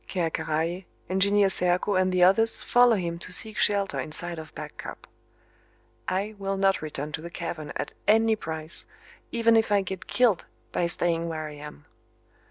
Ker Karraje, Engineer Serko and the others follow him to seek shelter inside of Back Cup. I will not return to the cavern at any price, even if I get killed by staying where I am.